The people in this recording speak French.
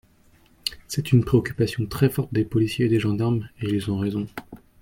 C’est une préoccupation très forte des policiers et des gendarmes, et ils ont raison.